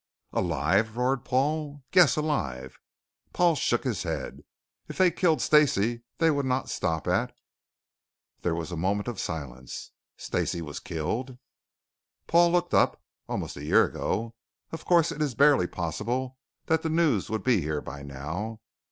"Alive!" roared Paul. "Yes. Alive." Paul shook his head. "If they killed Stacey, they would not stop at " There was a moment of silence. "Stacey was killed?" Paul looked up. "Almost a year ago. Of course, it is barely possible that the news would be here by now.